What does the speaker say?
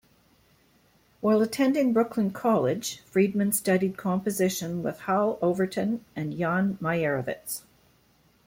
While attending Brooklyn College, Friedman studied composition with Hall Overton and Jan Meyerowitz.